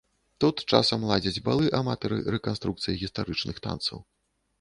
Тут часам ладзяць балы аматары рэканструкцыі гістарычных танцаў.